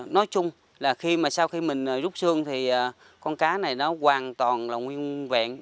nói chung là sau khi mình rút xương thì con cá này nó hoàn toàn là nguyên vẹn